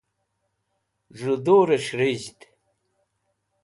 z̃u dures̃h rij̃hd